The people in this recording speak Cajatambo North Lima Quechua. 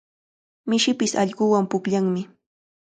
Mishipish allquwan pukllanmi.